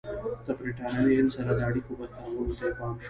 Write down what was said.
د برټانوي هند سره د اړیکو بهترولو ته یې پام شو.